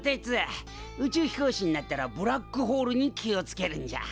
宇宙飛行士になったらブラックホールに気を付けるんじゃ。